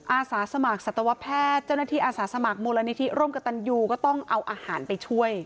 อาสาสมัครสัตวแพทย์เจ้าหน้าที่อาสาสมัครมูลนิธิร่วมกับตันยูก็ต้องเอาอาหารไปช่วย